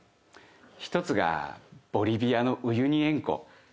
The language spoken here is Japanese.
１つがボリビアのウユニ塩湖。